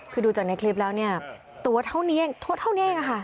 คือดูจากในคลิปแล้วเนี่ยตัวเท่านี้เองโทษเท่านี้เองค่ะ